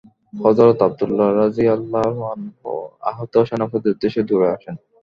হযরত আব্দুল্লাহ রাযিয়াল্লাহু আনহু আহত সেনাপতির উদ্দেশে দৌড়ে আসেন।